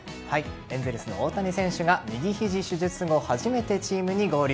エンゼルスの大谷選手が右肘手術後初めてチームに合流。